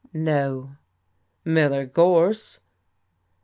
"No." "Miller Gorse."